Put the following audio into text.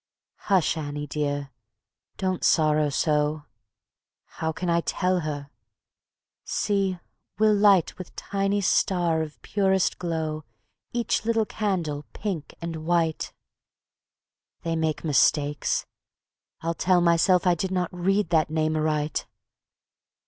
"Hush, Annie dear, don't sorrow so." (How can I tell her?) "See, we'll light With tiny star of purest glow Each little candle pink and white." (They make mistakes. I'll tell myself I did not read that name aright.)